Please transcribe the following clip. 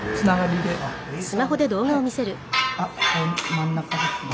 真ん中ですね。